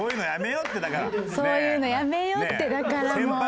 そういうのやめようってだからもう。